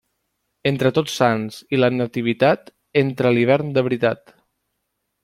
Entre Tots Sants i la Nativitat, entra l'hivern de veritat.